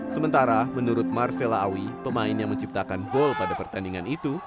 sementara menurut marcella awi pemain yang menciptakan gol pada pertandingan itu